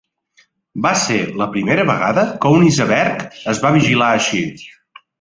Va ser la primera vegada que un iceberg es va vigilar així.